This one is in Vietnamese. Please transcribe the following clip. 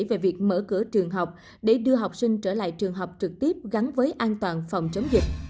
về việc mở cửa trường học để đưa học sinh trở lại trường học trực tiếp gắn với an toàn phòng chống dịch